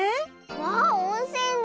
わあおんせんだ！